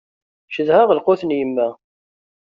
Cedhaɣ lqut n yemma.